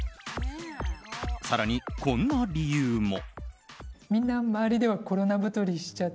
更に、こんな理由も。